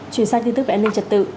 truyền sang tin tức và an ninh trật tự